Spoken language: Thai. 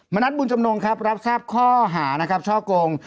มณัดบุญจำนงครับรับทราบข้อหาช่อกง